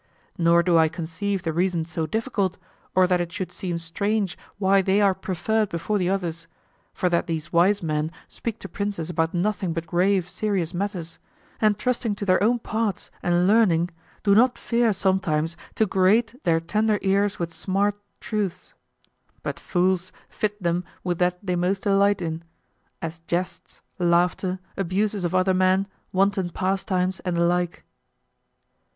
Nor do I conceive the reason so difficult, or that it should seem strange why they are preferred before the others, for that these wise men speak to princes about nothing but grave, serious matters, and trusting to their own parts and learning do not fear sometimes "to grate their tender ears with smart truths;" but fools fit them with that they most delight in, as jests, laughter, abuses of other men, wanton pastimes, and the like.